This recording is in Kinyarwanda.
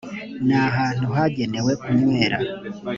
ni ahantu hagenewe kunywera